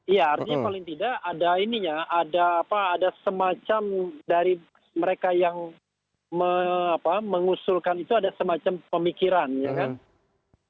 iya artinya paling tidak ada ininya ada semacam dari mereka yang mengusulkan itu ada semacam pemikiran ya kan